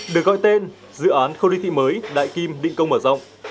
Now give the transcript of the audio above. được gọi tên dự án khu ly thị mới đại kim định công mở rộng